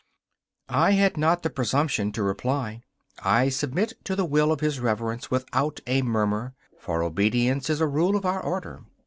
I had not the presumption to reply. I submit to the will of His Reverence without a murmur, for obedience is a rule of our Order.